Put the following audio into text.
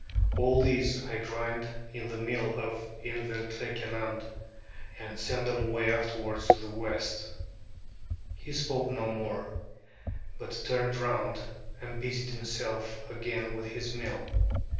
All these I grind in the Mill of Inver tre Kenand and send them away afterwards to the west." He spoke no more, but turned round and busied himself again with his mill.